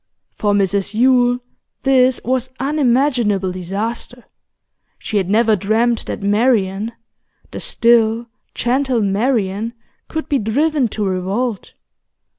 For Mrs Yule this was unimaginable disaster. She had never dreamt that Marian, the still, gentle Marian, could be driven to revolt.